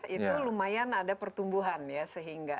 itu lumayan ada pertumbuhan ya sehingga